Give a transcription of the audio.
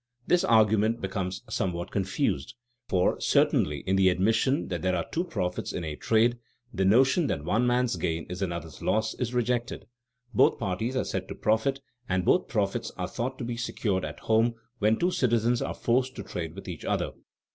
This argument becomes somewhat confused, for certainly in the admission that there are "two profits" in a trade, the notion that "one man's gain is another's loss" is rejected. Both parties are said to profit and both profits are thought to be secured at home when two citizens are forced to trade with each other.